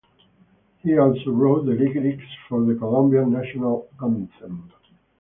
He also wrote the lyrics for the Colombian national anthem.